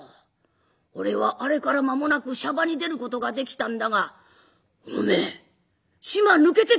俺はあれから間もなくしゃばに出ることができたんだがお前島抜けて来やがったのか？